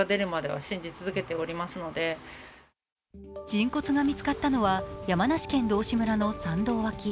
人骨が見つかったのは山梨県道志村の山道脇。